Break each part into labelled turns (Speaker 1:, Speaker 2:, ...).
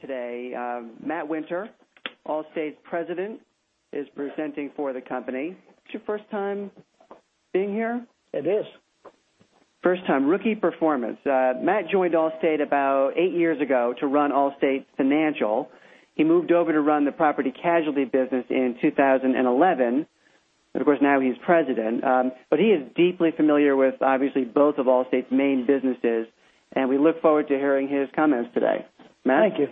Speaker 1: Pleased to have today, Matt Winter, Allstate's President, is presenting for the company. It's your first time being here?
Speaker 2: It is.
Speaker 1: First time. Rookie performance. Matt joined Allstate about eight years ago to run Allstate Financial. He moved over to run the property casualty business in 2011. Of course, now he's president. He is deeply familiar with, obviously, both of Allstate's main businesses. We look forward to hearing his comments today. Matt?
Speaker 2: Thank you.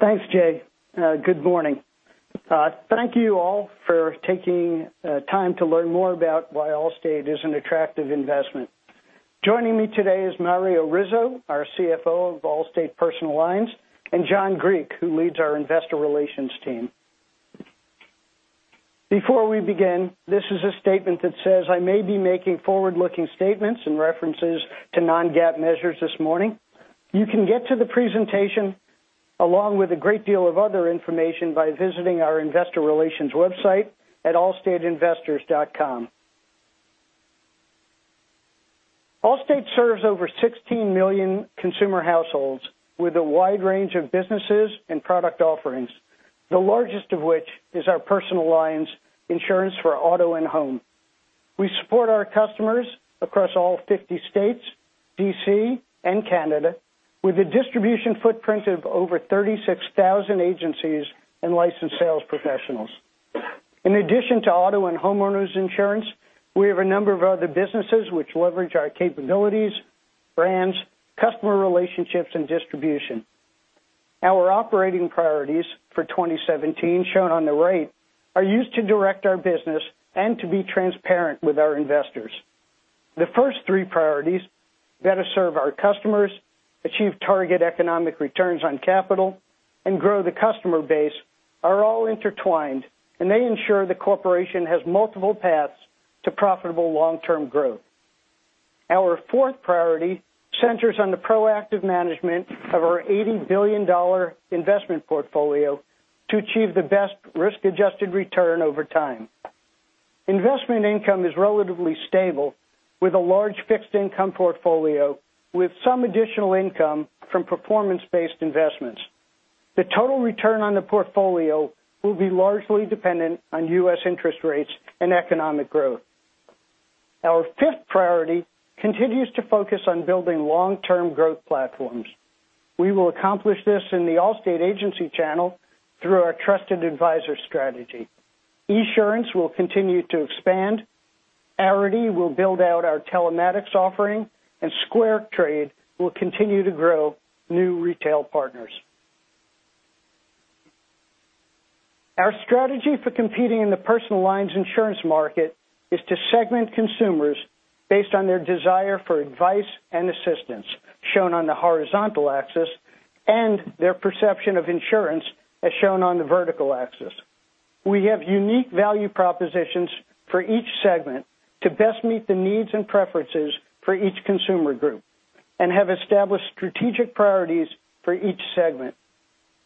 Speaker 2: Thanks, Jay. Good morning. Thank you all for taking time to learn more about why Allstate is an attractive investment. Joining me today is Mario Rizzo, our CFO of Allstate Personal Lines, and John Griek, who leads our investor relations team. Before we begin, this is a statement that says I may be making forward-looking statements and references to non-GAAP measures this morning. You can get to the presentation, along with a great deal of other information by visiting our investor relations website at allstateinvestors.com. Allstate serves over 16 million consumer households with a wide range of businesses and product offerings, the largest of which is our Personal Lines insurance for auto and home. We support our customers across all 50 states, D.C., and Canada, with a distribution footprint of over 36,000 agencies and licensed sales professionals. In addition to auto and homeowners insurance, we have a number of other businesses which leverage our capabilities, brands, customer relationships, and distribution. Our operating priorities for 2017, shown on the right, are used to direct our business and to be transparent with our investors. The first three priorities, that is, serve our customers, achieve target economic returns on capital, and grow the customer base, are all intertwined, and they ensure the corporation has multiple paths to profitable long-term growth. Our fourth priority centers on the proactive management of our $80 billion investment portfolio to achieve the best risk-adjusted return over time. Investment income is relatively stable, with a large fixed income portfolio, with some additional income from performance-based investments. The total return on the portfolio will be largely dependent on U.S. interest rates and economic growth. Our fifth priority continues to focus on building long-term growth platforms. We will accomplish this in the Allstate agency channel through our trusted advisor strategy. Esurance will continue to expand, Arity will build out our telematics offering, and SquareTrade will continue to grow new retail partners. Our strategy for competing in the Personal Lines insurance market is to segment consumers based on their desire for advice and assistance, shown on the horizontal axis, and their perception of insurance, as shown on the vertical axis. We have unique value propositions for each segment to best meet the needs and preferences for each consumer group and have established strategic priorities for each segment.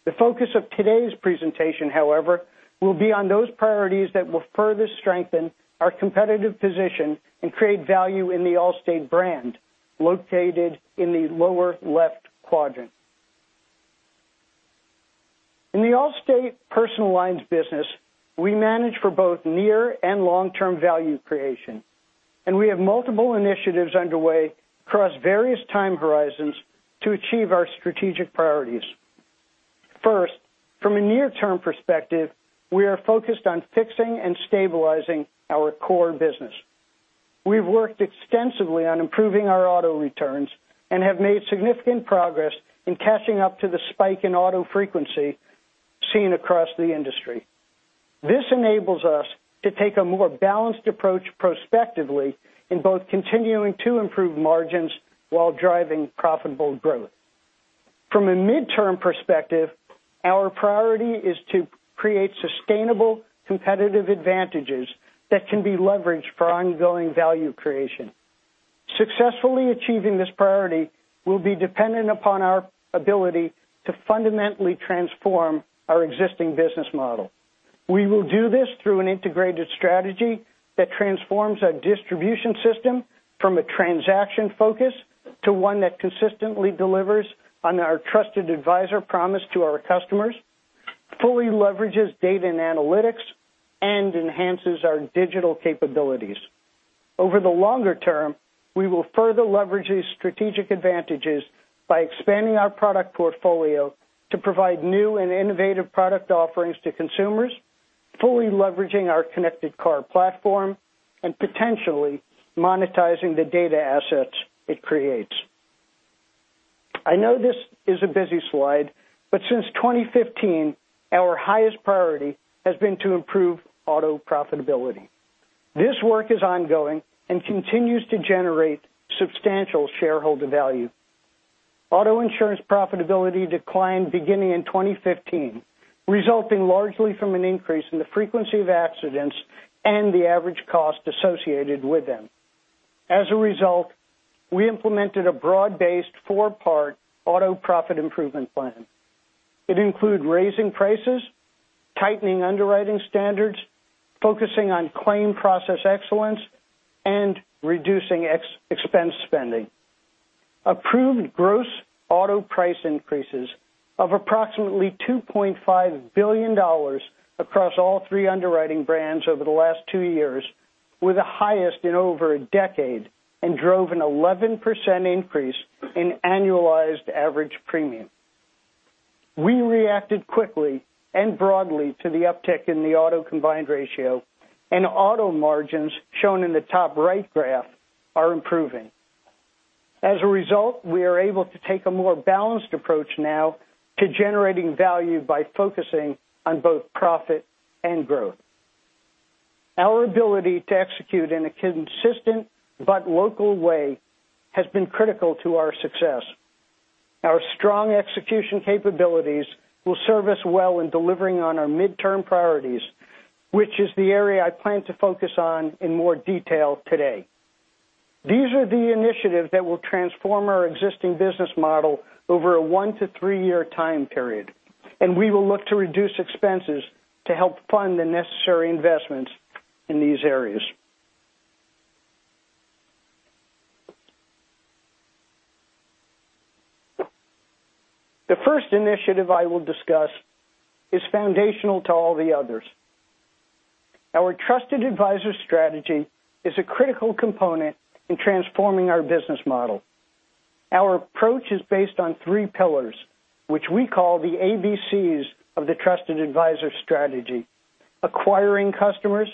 Speaker 2: The focus of today's presentation, however, will be on those priorities that will further strengthen our competitive position and create value in the Allstate brand, located in the lower left quadrant. In the Allstate Personal Lines business, we manage for both near and long-term value creation. We have multiple initiatives underway across various time horizons to achieve our strategic priorities. First, from a near-term perspective, we are focused on fixing and stabilizing our core business. We've worked extensively on improving our auto returns and have made significant progress in catching up to the spike in auto frequency seen across the industry. This enables us to take a more balanced approach prospectively in both continuing to improve margins while driving profitable growth. From a midterm perspective, our priority is to create sustainable competitive advantages that can be leveraged for ongoing value creation. Successfully achieving this priority will be dependent upon our ability to fundamentally transform our existing business model. We will do this through an integrated strategy that transforms our distribution system from a transaction focus to one that consistently delivers on our trusted advisor promise to our customers, fully leverages data and analytics, and enhances our digital capabilities. Over the longer term, we will further leverage these strategic advantages by expanding our product portfolio to provide new and innovative product offerings to consumers, fully leveraging our connected car platform, and potentially monetizing the data assets it creates. I know this is a busy slide, but since 2015, our highest priority has been to improve auto profitability. This work is ongoing and continues to generate substantial shareholder value. Auto insurance profitability declined beginning in 2015, resulting largely from an increase in the frequency of accidents and the average cost associated with them. As a result, we implemented a broad-based four-part auto profit improvement plan. It include raising prices, tightening underwriting standards, focusing on claim process excellence, and reducing expense spending. Approved gross auto price increases of approximately $2.5 billion across all three underwriting brands over the last two years were the highest in over a decade and drove an 11% increase in annualized average premium. We reacted quickly and broadly to the uptick in the auto combined ratio, and auto margins, shown in the top right graph, are improving. As a result, we are able to take a more balanced approach now to generating value by focusing on both profit and growth. Our ability to execute in a consistent but local way has been critical to our success. Our strong execution capabilities will serve us well in delivering on our midterm priorities, which is the area I plan to focus on in more detail today. These are the initiatives that will transform our existing business model over a one to three-year time period, and we will look to reduce expenses to help fund the necessary investments in these areas. The first initiative I will discuss is foundational to all the others. Our trusted advisor strategy is a critical component in transforming our business model. Our approach is based on three pillars, which we call the ABCs of the trusted advisor strategy, acquiring customers,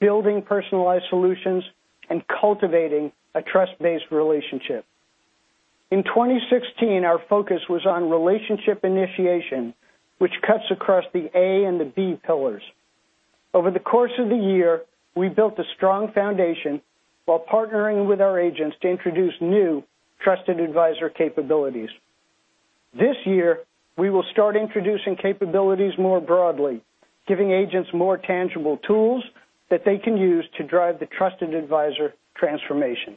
Speaker 2: building personalized solutions, and cultivating a trust-based relationship. In 2016, our focus was on relationship initiation, which cuts across the A and the B pillars. Over the course of the year, we built a strong foundation while partnering with our agents to introduce new trusted advisor capabilities. This year, we will start introducing capabilities more broadly, giving agents more tangible tools that they can use to drive the trusted advisor transformation.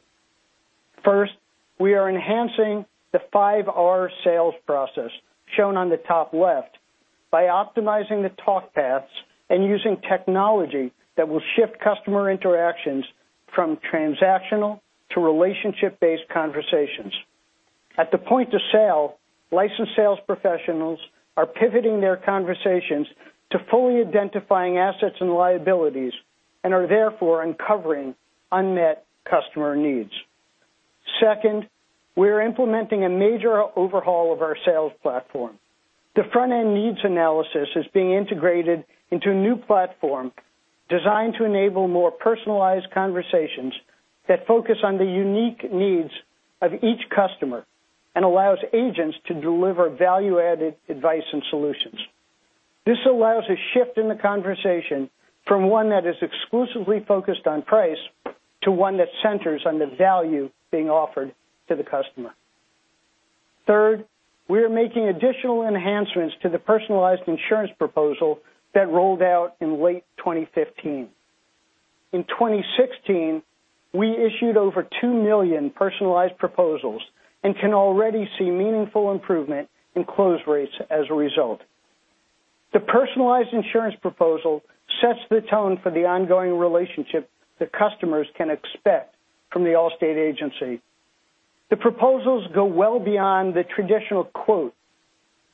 Speaker 2: First, we are enhancing the five R sales process shown on the top left by optimizing the talk paths and using technology that will shift customer interactions from transactional to relationship-based conversations. At the point of sale, licensed sales professionals are pivoting their conversations to fully identifying assets and liabilities and are therefore uncovering unmet customer needs. Second, we are implementing a major overhaul of our sales platform. The front-end needs analysis is being integrated into a new platform designed to enable more personalized conversations that focus on the unique needs of each customer and allows agents to deliver value-added advice and solutions. This allows a shift in the conversation from one that is exclusively focused on price to one that centers on the value being offered to the customer. Third, we are making additional enhancements to the personalized insurance proposal that rolled out in late 2015. In 2016, we issued over 2 million personalized proposals and can already see meaningful improvement in close rates as a result. The personalized insurance proposal sets the tone for the ongoing relationship that customers can expect from the Allstate agency. The proposals go well beyond the traditional quote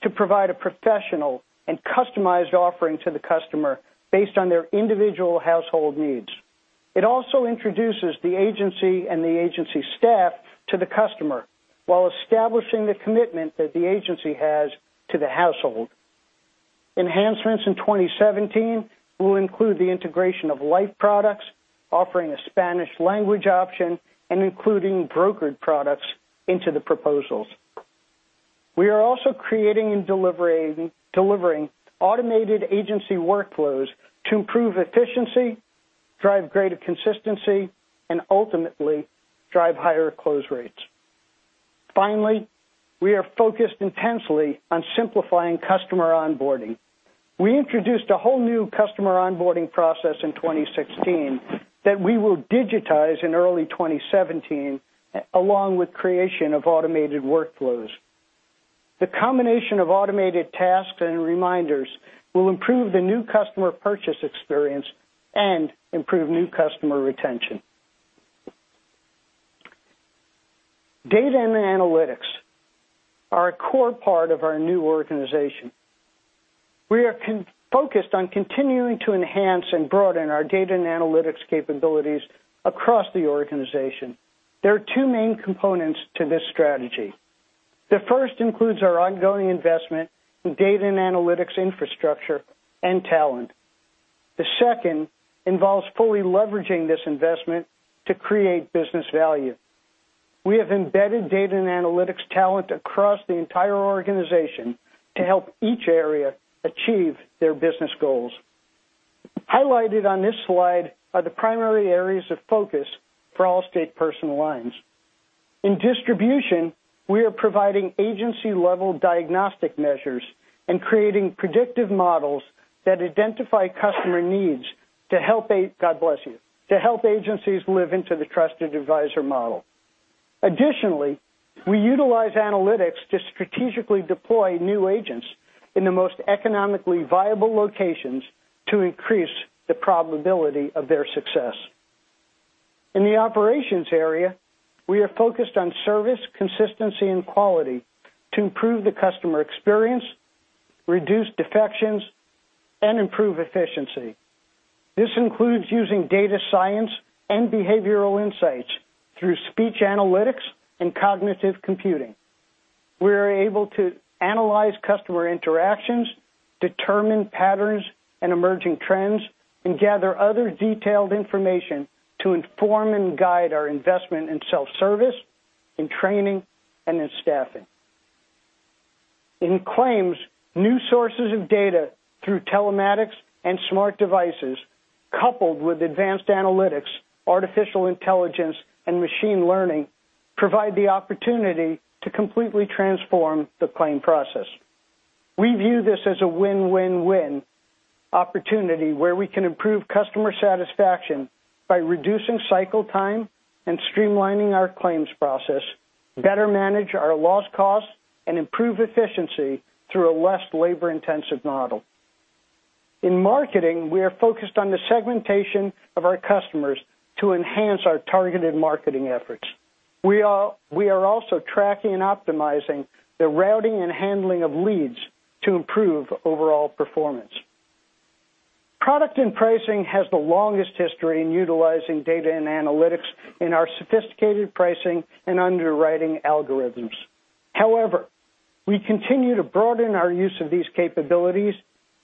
Speaker 2: to provide a professional and customized offering to the customer based on their individual household needs. It also introduces the agency and the agency staff to the customer while establishing the commitment that the agency has to the household. Enhancements in 2017 will include the integration of life products, offering a Spanish language option, and including brokered products into the proposals. We are also creating and delivering automated agency workflows to improve efficiency, drive greater consistency, and ultimately drive higher close rates. Finally, we are focused intensely on simplifying customer onboarding. We introduced a whole new customer onboarding process in 2016 that we will digitize in early 2017, along with creation of automated workflows. The combination of automated tasks and reminders will improve the new customer purchase experience and improve new customer retention. Data and analytics are a core part of our new organization. We are focused on continuing to enhance and broaden our data and analytics capabilities across the organization. There are two main components to this strategy. The first includes our ongoing investment in data and analytics infrastructure and talent. The second involves fully leveraging this investment to create business value. We have embedded data and analytics talent across the entire organization to help each area achieve their business goals. Highlighted on this slide are the primary areas of focus for Allstate Personal Lines. In distribution, we are providing agency-level diagnostic measures and creating predictive models that identify customer needs. God bless you. To help agencies live into the trusted advisor model. Additionally, we utilize analytics to strategically deploy new agents in the most economically viable locations to increase the probability of their success. In the operations area, we are focused on service consistency and quality to improve the customer experience, reduce defections, and improve efficiency. This includes using data science and behavioral insights through speech analytics and cognitive computing. We are able to analyze customer interactions, determine patterns and emerging trends, and gather other detailed information to inform and guide our investment in self-service, in training, and in staffing. In claims, new sources of data through telematics and smart devices, coupled with advanced analytics, artificial intelligence, and machine learning, provide the opportunity to completely transform the claim process. We view this as a win-win-win opportunity where we can improve customer satisfaction by reducing cycle time and streamlining our claims process, better manage our loss costs, and improve efficiency through a less labor-intensive model. In marketing, we are focused on the segmentation of our customers to enhance our targeted marketing efforts. We are also tracking and optimizing the routing and handling of leads to improve overall performance. Product and pricing has the longest history in utilizing data and analytics in our sophisticated pricing and underwriting algorithms. However, we continue to broaden our use of these capabilities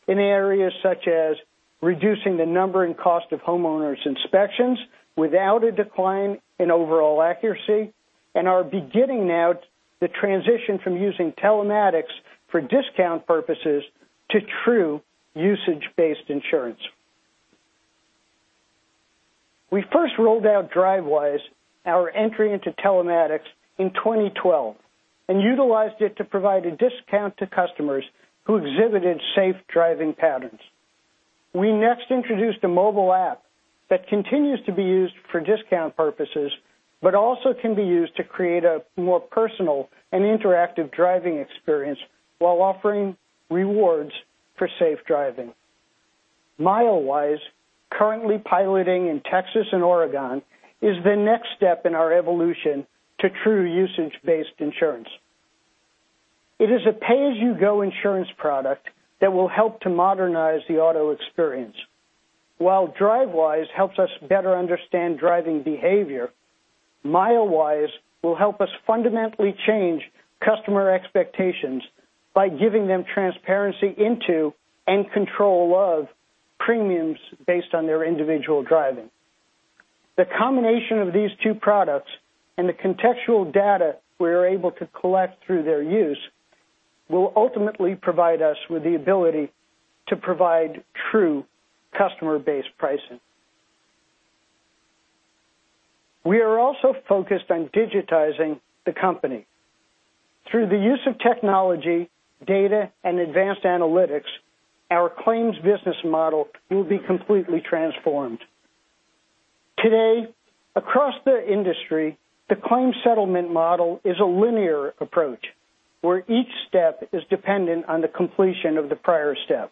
Speaker 2: in areas such as reducing the number and cost of homeowners' inspections without a decline in overall accuracy and are beginning now the transition from using telematics for discount purposes to true usage-based insurance. We first rolled out Drivewise, our entry into telematics, in 2012 and utilized it to provide a discount to customers who exhibited safe driving patterns. We next introduced a mobile app that continues to be used for discount purposes, but also can be used to create a more personal and interactive driving experience while offering rewards for safe driving. Milewise, currently piloting in Texas and Oregon, is the next step in our evolution to true usage-based insurance. It is a pay-as-you-go insurance product that will help to modernize the auto experience. While Drivewise helps us better understand driving behavior, Milewise will help us fundamentally change customer expectations by giving them transparency into and control of premiums based on their individual driving. The combination of these two products and the contextual data we are able to collect through their use will ultimately provide us with the ability to provide true customer-based pricing. We are also focused on digitizing the company. Through the use of technology, data, and advanced analytics, our claims business model will be completely transformed. Today, across the industry, the claims settlement model is a linear approach where each step is dependent on the completion of the prior step.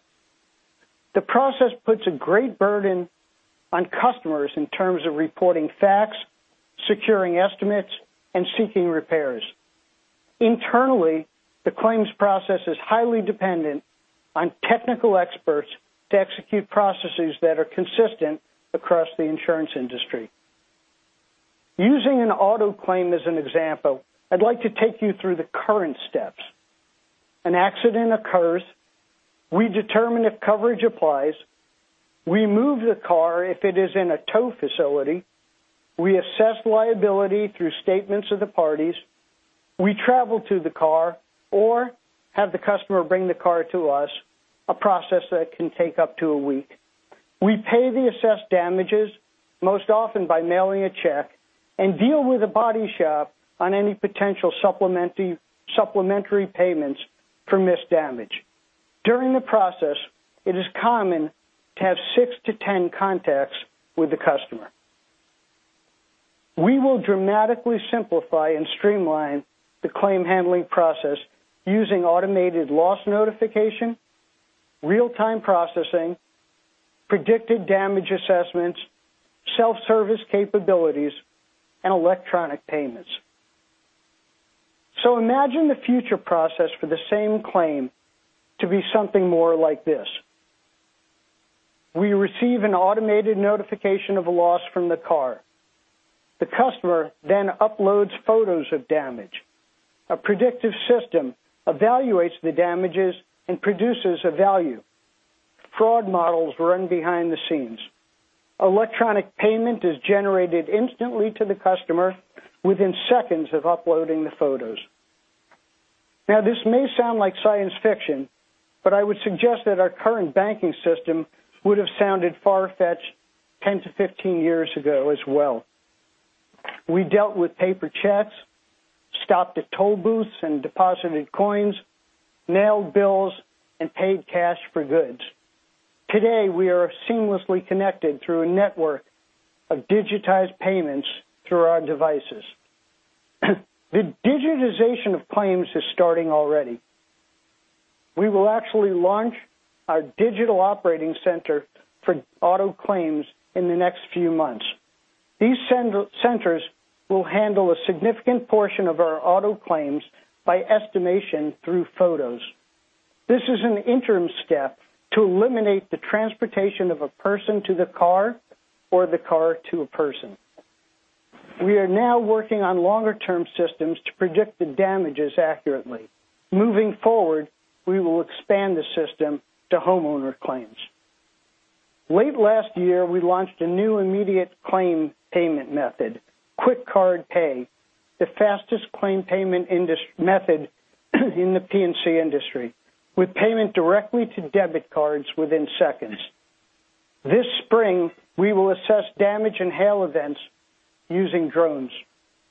Speaker 2: The process puts a great burden on customers in terms of reporting facts, securing estimates, and seeking repairs. Internally, the claims process is highly dependent on technical experts to execute processes that are consistent across the insurance industry. Using an auto claim as an example, I'd like to take you through the current steps. An accident occurs, we determine if coverage applies, we move the car if it is in a tow facility, we assess liability through statements of the parties, we travel to the car or have the customer bring the car to us, a process that can take up to a week. We pay the assessed damages, most often by mailing a check, and deal with the body shop on any potential supplementary payments for missed damage. During the process, it is common to have six to 10 contacts with the customer. We will dramatically simplify and streamline the claim handling process using automated loss notification, real-time processing, predictive damage assessments, self-service capabilities, and electronic payments. Imagine the future process for the same claim to be something more like this. We receive an automated notification of a loss from the car. The customer uploads photos of damage. A predictive system evaluates the damages and produces a value. Fraud models run behind the scenes. Electronic payment is generated instantly to the customer within seconds of uploading the photos. This may sound like science fiction, but I would suggest that our current banking system would have sounded far-fetched 10 to 15 years ago as well. We dealt with paper checks, stopped at toll booths and deposited coins, mailed bills, and paid cash for goods. Today, we are seamlessly connected through a network of digitized payments through our devices. The digitization of claims is starting already. We will actually launch our Digital Operating Center for auto claims in the next few months. These centers will handle a significant portion of our auto claims by estimation through photos. This is an interim step to eliminate the transportation of a person to the car or the car to a person. We are now working on longer-term systems to predict the damages accurately. Moving forward, we will expand the system to homeowner claims. Late last year, we launched a new immediate claim payment method, QuickCard Pay, the fastest claim payment method in the P&C industry, with payment directly to debit cards within seconds. This spring, we will assess damage and hail events using drones.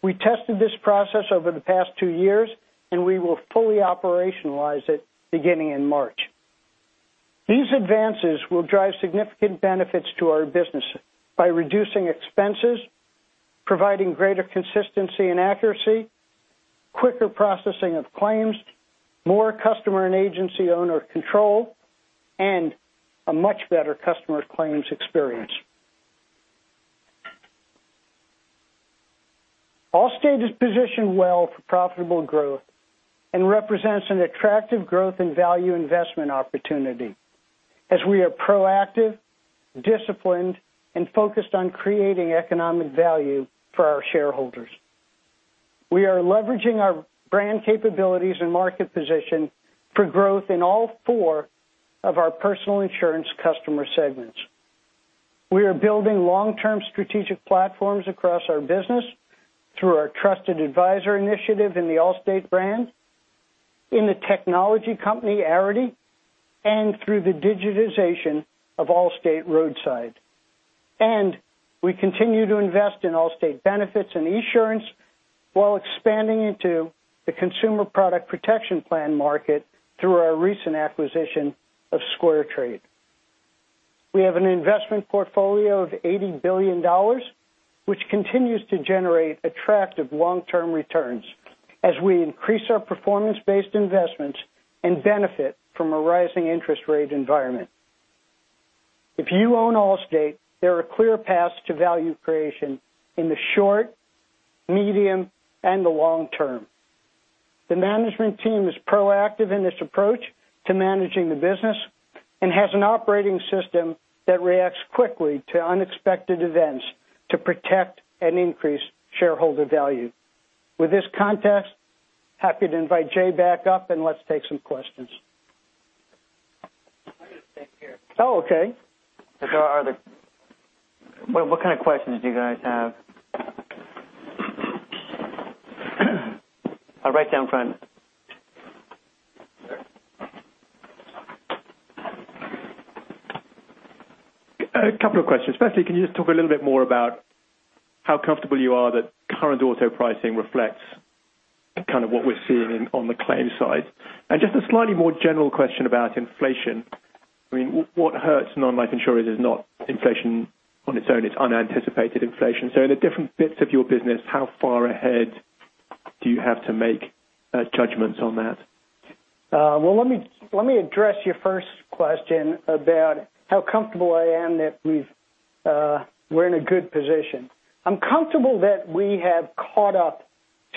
Speaker 2: We tested this process over the past two years, and we will fully operationalize it beginning in March. These advances will drive significant benefits to our business by reducing expenses, providing greater consistency and accuracy, quicker processing of claims, more customer and agency owner control, and a much better customer claims experience. Allstate is positioned well for profitable growth and represents an attractive growth in value investment opportunity as we are proactive, disciplined, and focused on creating economic value for our shareholders. We are leveraging our brand capabilities and market position for growth in all four of our personal insurance customer segments. We are building long-term strategic platforms across our business through our trusted advisor initiative in the Allstate brand, in the technology company, Arity, and through the digitization of Allstate Roadside. We continue to invest in Allstate Benefits and Esurance while expanding into the consumer product protection plan market through our recent acquisition of SquareTrade. We have an investment portfolio of $80 billion, which continues to generate attractive long-term returns as we increase our performance-based investments and benefit from a rising interest rate environment. If you own Allstate, there are clear paths to value creation in the short, medium, and the long term. The management team is proactive in its approach to managing the business and has an operating system that reacts quickly to unexpected events to protect and increase shareholder value. With this context, happy to invite Jay back up, let's take some questions.
Speaker 1: I'm going to stay up here.
Speaker 2: Oh, okay.
Speaker 1: What kind of questions do you guys have? Right down front.
Speaker 3: A couple of questions. Firstly, can you just talk a little bit more about how comfortable you are that current auto pricing reflects what we're seeing on the claims side? Just a slightly more general question about inflation. What hurts non-life insurers is not inflation on its own, it's unanticipated inflation. In the different bits of your business, how far ahead do you have to make judgments on that?
Speaker 2: Well, let me address your first question about how comfortable I am that we're in a good position. I'm comfortable that we have caught up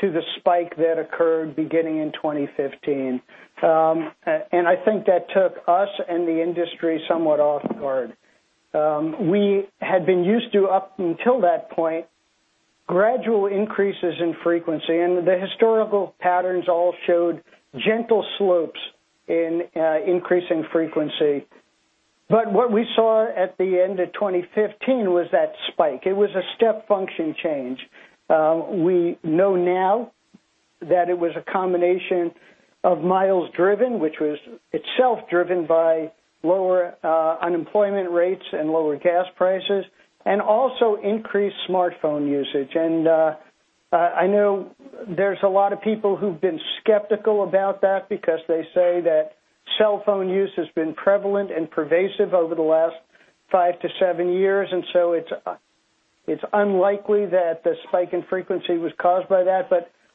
Speaker 2: to the spike that occurred beginning in 2015. I think that took us and the industry somewhat off guard. We had been used to, up until that point, gradual increases in frequency, and the historical patterns all showed gentle slopes in increasing frequency. What we saw at the end of 2015 was that spike. It was a step function change. We know now that it was a combination of miles driven, which was itself driven by lower unemployment rates and lower gas prices, and also increased smartphone usage. I know there's a lot of people who've been skeptical about that because they say that cell phone use has been prevalent and pervasive over the last five to seven years, and so it's unlikely that the spike in frequency was caused by that.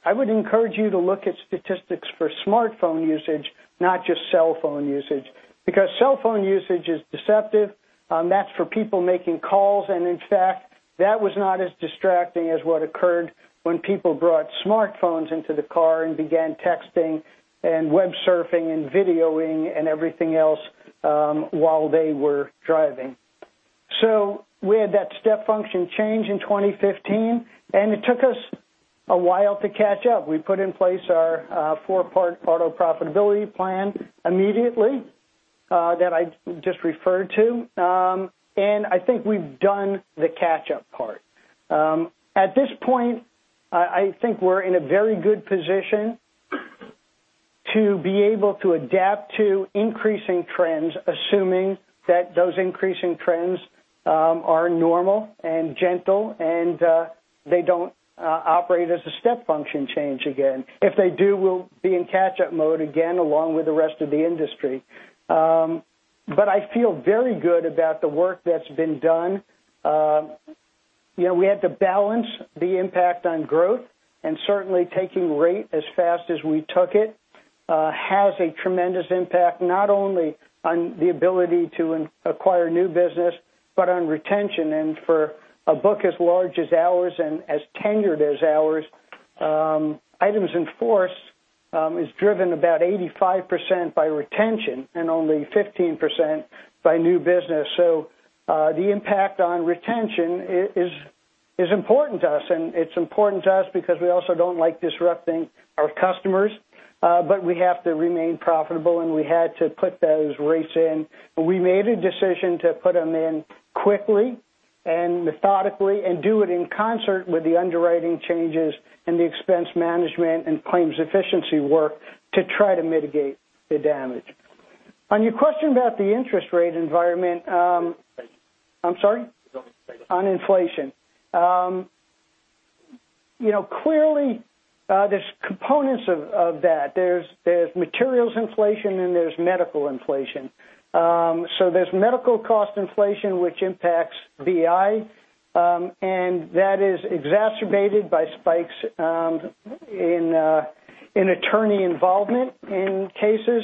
Speaker 2: I would encourage you to look at statistics for smartphone usage, not just cell phone usage, because cell phone usage is deceptive. That's for people making calls, and in fact, that was not as distracting as what occurred when people brought smartphones into the car and began texting and web surfing and videoing and everything else while they were driving. We had that step function change in 2015, and it took us a while to catch up. We put in place our four-part auto profitability plan immediately That I just referred to. I think we've done the catch-up part. At this point, I think we're in a very good position to be able to adapt to increasing trends, assuming that those increasing trends are normal and gentle, and they don't operate as a step function change again. If they do, we'll be in catch-up mode again, along with the rest of the industry. I feel very good about the work that's been done. We had to balance the impact on growth, certainly taking rate as fast as we took it has a tremendous impact, not only on the ability to acquire new business, but on retention. For a book as large as ours and as tenured as ours, Items in Force is driven about 85% by retention and only 15% by new business. The impact on retention is important to us, and it's important to us because we also don't like disrupting our customers. We have to remain profitable, and we had to put those rates in. We made a decision to put them in quickly and methodically and do it in concert with the underwriting changes and the expense management and claims efficiency work to try to mitigate the damage. On your question about the interest rate environment- Inflation. I'm sorry? You don't have to take it. On inflation. Clearly, there's components of that. There's materials inflation, and there's medical inflation. There's medical cost inflation, which impacts BI, and that is exacerbated by spikes in attorney involvement in cases.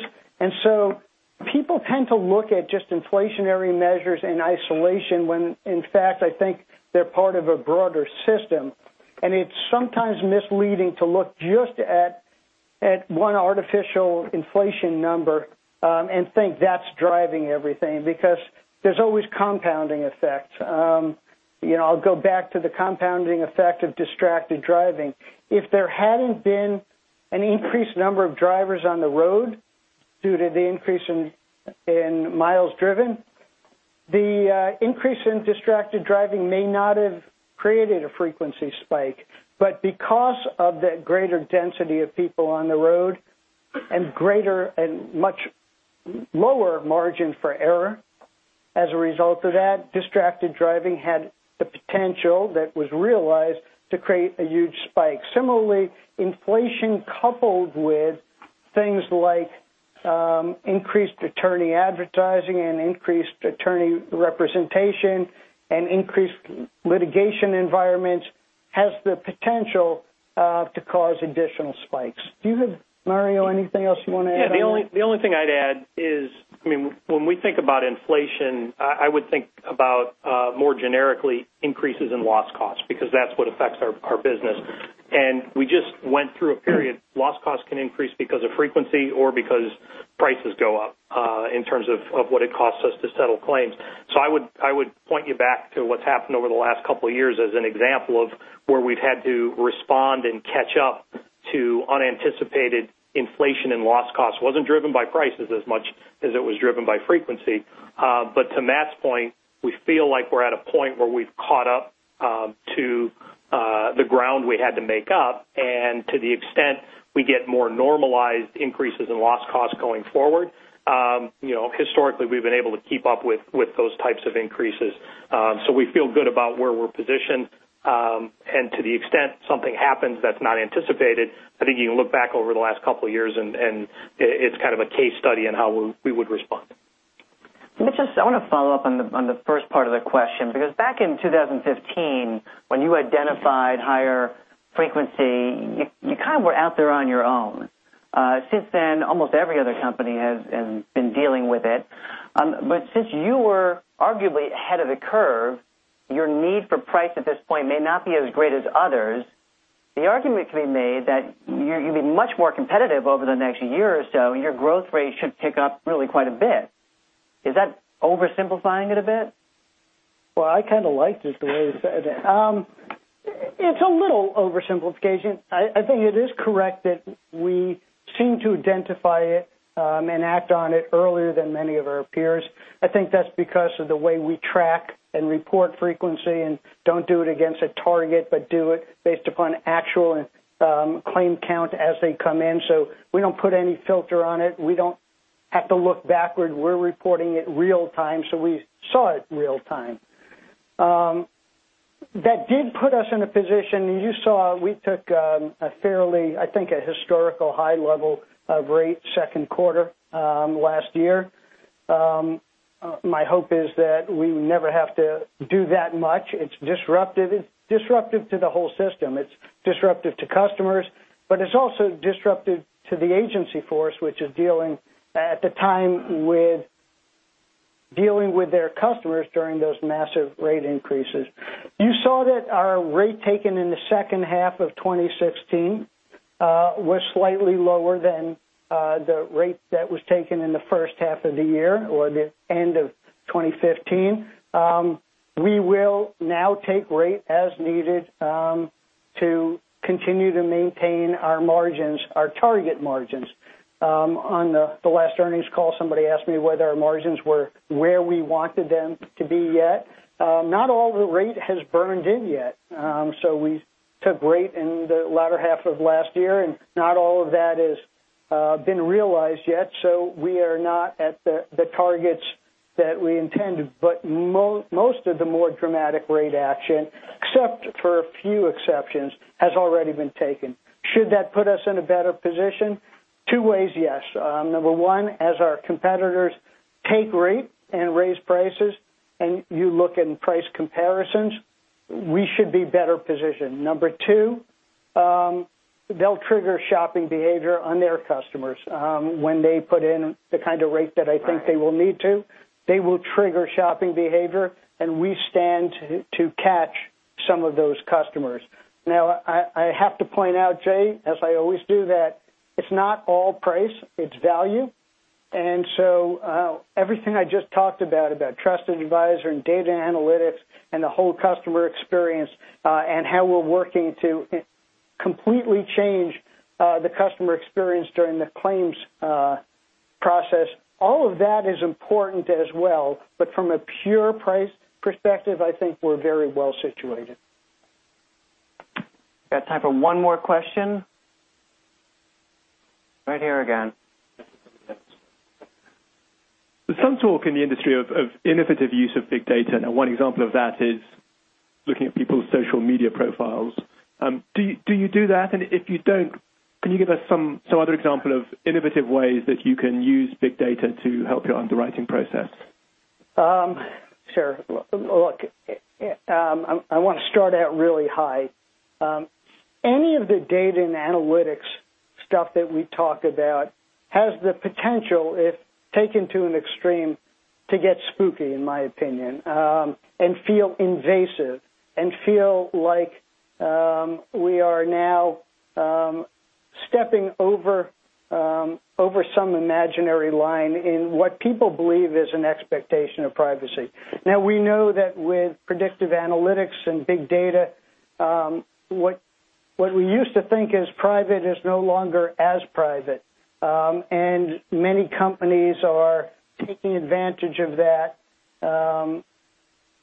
Speaker 2: People tend to look at just inflationary measures in isolation, when in fact, I think they're part of a broader system. It's sometimes misleading to look just at one artificial inflation number and think that's driving everything, because there's always compounding effects. I'll go back to the compounding effect of distracted driving. If there hadn't been an increased number of drivers on the road due to the increase in miles driven, the increase in distracted driving may not have created a frequency spike. Because of that greater density of people on the road and much lower margin for error as a result of that, distracted driving had the potential that was realized to create a huge spike. Similarly, inflation coupled with things like increased attorney advertising and increased attorney representation and increased litigation environments has the potential to cause additional spikes. Do you have, Mario, anything else you want to add on that?
Speaker 4: Yeah. The only thing I'd add is, when we think about inflation, I would think about more generically increases in loss costs, because that's what affects our business. We just went through a period, loss costs can increase because of frequency or because prices go up in terms of what it costs us to settle claims. I would point you back to what's happened over the last couple of years as an example of where we've had to respond and catch up to unanticipated inflation and loss costs. Wasn't driven by prices as much as it was driven by frequency. To Matt's point, we feel like we're at a point where we've caught up to the ground we had to make up, and to the extent we get more normalized increases in loss costs going forward, historically, we've been able to keep up with those types of increases. We feel good about where we're positioned, and to the extent something happens that's not anticipated, I think you can look back over the last couple of years, and it's kind of a case study on how we would respond.
Speaker 1: I want to follow up on the first part of the question, because back in 2015, when you identified higher frequency, you kind of were out there on your own. Since then, almost every other company has been dealing with it. Since you were arguably ahead of the curve, your need for price at this point may not be as great as others. The argument can be made that you'd be much more competitive over the next year or so, and your growth rate should pick up really quite a bit. Is that oversimplifying it a bit?
Speaker 2: I kind of liked it the way you said it. It's a little oversimplification. I think it is correct that we seem to identify it and act on it earlier than many of our peers. I think that's because of the way we track and report frequency and don't do it against a target, but do it based upon actual claim count as they come in. We don't put any filter on it. We don't have to look backward. We're reporting it real time, we saw it real time. That did put us in a position. You saw we took a fairly, I think, a historical high level of rate second quarter last year. My hope is that we never have to do that much. It's disruptive. It's disruptive to the whole system. It's disruptive to customers, it's also disruptive to the agency force, which is dealing at the time with dealing with their customers during those massive rate increases. You saw that our rate taken in the second half of 2016 was slightly lower than the rate that was taken in the first half of the year or the end of 2015. We will now take rate as needed To continue to maintain our margins, our target margins. On the last earnings call, somebody asked me whether our margins were where we wanted them to be yet. Not all the rate has burned in yet. We took rate in the latter half of last year, and not all of that has been realized yet. We are not at the targets that we intended, but most of the more dramatic rate action, except for a few exceptions, has already been taken. Should that put us in a better position? Two ways, yes. Number one, as our competitors take rate and raise prices, and you look in price comparisons, we should be better positioned. Number two, they'll trigger shopping behavior on their customers. When they put in the kind of rate that I think they will need to, they will trigger shopping behavior, and we stand to catch some of those customers. I have to point out, Jay, as I always do, that it's not all price, it's value. Everything I just talked about trusted advisor and data analytics and the whole customer experience, and how we're working to completely change the customer experience during the claims process, all of that is important as well. From a pure price perspective, I think we're very well-situated.
Speaker 1: We have got time for one more question. Right here again.
Speaker 3: There's some talk in the industry of innovative use of big data. One example of that is looking at people's social media profiles. Do you do that? If you don't, can you give us some other example of innovative ways that you can use big data to help your underwriting process?
Speaker 2: Sure. Look, I want to start out really high. Any of the data and analytics stuff that we talk about has the potential, if taken to an extreme, to get spooky, in my opinion, and feel invasive, and feel like we are now stepping over some imaginary line in what people believe is an expectation of privacy. Now we know that with predictive analytics and big data, what we used to think as private is no longer as private. Many companies are taking advantage of that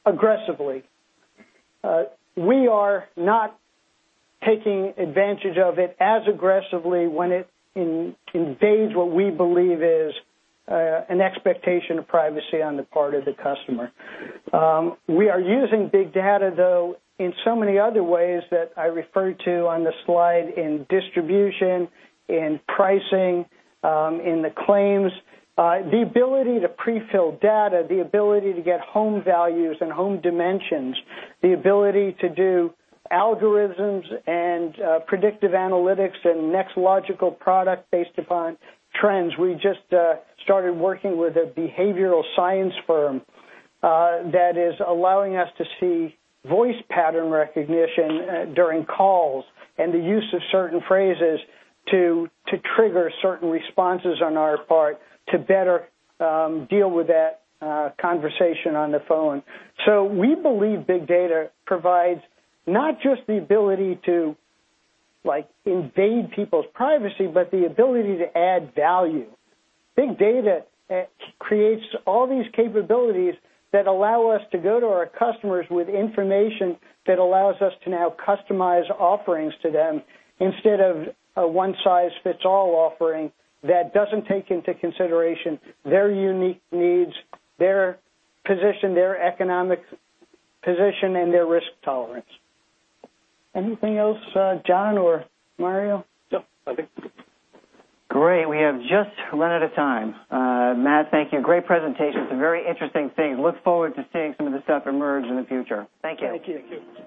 Speaker 2: aggressively. We are not taking advantage of it as aggressively when it invades what we believe is an expectation of privacy on the part of the customer. We are using big data, though, in so many other ways that I referred to on the slide, in distribution, in pricing, in the claims. The ability to pre-fill data, the ability to get home values and home dimensions, the ability to do algorithms and predictive analytics and next logical product based upon trends. We just started working with a behavioral science firm that is allowing us to see voice pattern recognition during calls, and the use of certain phrases to trigger certain responses on our part to better deal with that conversation on the phone. We believe big data provides not just the ability to invade people's privacy, but the ability to add value. Big data creates all these capabilities that allow us to go to our customers with information that allows us to now customize offerings to them, instead of a one-size-fits-all offering that doesn't take into consideration their unique needs, their position, their economic position, and their risk tolerance. Anything else, John or Mario?
Speaker 1: Great. We have just run out of time. Matt, thank you. Great presentation. Some very interesting things. Look forward to seeing some of the stuff emerge in the future. Thank you.
Speaker 2: Thank you.